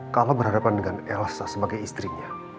kalau berhadapan dengan elsa sebagai istrinya